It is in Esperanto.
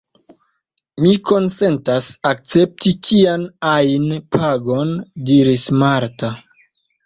Mi konsentas akcepti kian ajn pagon, diris Marta.